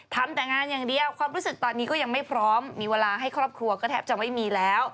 ทำแต่งานอย่างเดียวความรู้สึกตอนนี้ก็ยังไม่พร้อมมีเวลาให้ครอบครัวก็แทบจะไม่มีแล้ว